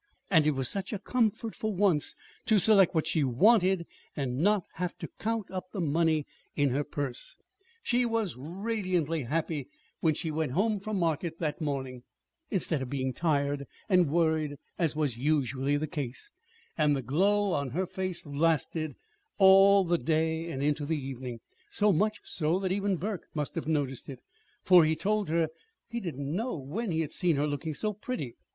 And it was such a comfort, for once, to select what she wanted, and not have to count up the money in her purse! She was radiantly happy when she went home from market that morning (instead of being tired and worried as was usually the case); and the glow on her face lasted all through the day and into the evening so much so that even Burke must have noticed it, for he told her he did not know when he had seen her looking so pretty.